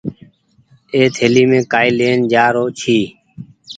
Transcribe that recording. اي ٿليم ڪآئي لين جآرو ڇي۔